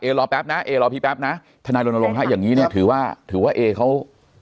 เอ่ยรอแป๊บนะเอ่ยรอพี่แป๊บนะธนายโรนโรงภาคอย่างนี้เนี่ยถือว่าถือว่าเอ่ยเขา